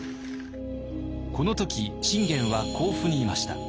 この時信玄は甲府にいました。